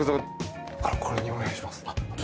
これにお願いします。